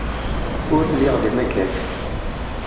Ur lliɣ d amagad.